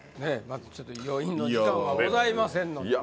またちょっと余韻の時間はございませんのでね